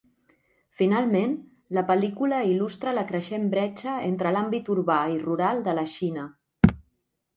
Finalment, la pel·lícula il·lustra la creixent bretxa entre l'àmbit urbà i rural de la Xina.